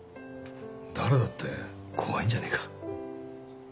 誰だって怖いんじゃねえか？